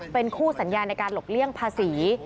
เป็นคู่สัญญาในการหลบเลี่ยงภาษี